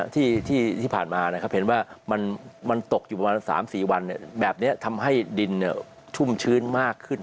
ที่ผ่านมาเห็นว่ามันตกอยู่ประมาณ๓๔วันแบบนี้ทำให้ดินชุ่มชื้นมากขึ้น